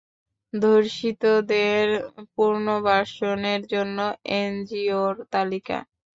ধর্ষিতদের পুনর্বাসনের জন্য এনজিওর তালিকা।